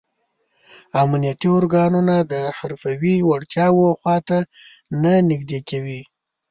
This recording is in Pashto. امنیتي ارګانونه د حرفوي وړتیاو خواته نه نږدې کوي.